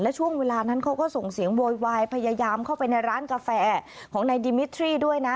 ช่วงเวลานั้นเขาก็ส่งเสียงโวยวายพยายามเข้าไปในร้านกาแฟของนายดิมิทรี่ด้วยนะ